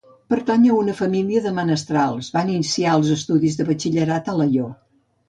Pertany a una família de menestrals, va iniciar els estudis de batxillerat a Alaior.